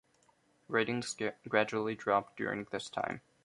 Ratings gradually dropped during this time.